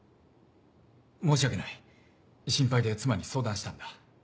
申し訳ない心配で妻に相談したんだ。